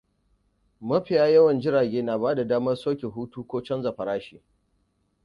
mafiya wan jirage na bada daman soke htu ko chaja farashin.